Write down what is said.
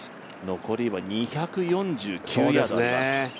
残りは２４９ヤードあります。